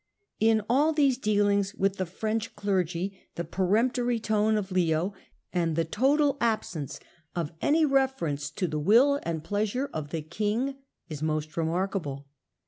In all these dealings with the / French clergy the peremptory tone of Leo, and the total / absence of any reference to the will and pleasure of the/ king, is most remarkable.